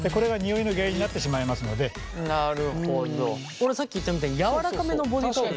俺さっき言ったみたいにやわらかめのボディータオル